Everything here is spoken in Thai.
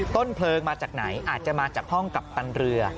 ต้นเพลิงมาจากไหนอาจจะมาจากห้องกัปตันเรือ